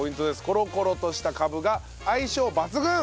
コロコロとしたカブが相性抜群！